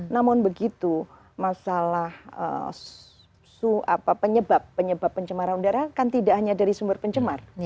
namun begitu masalah penyebab pencemaran udara kan tidak hanya dari sumber pencemar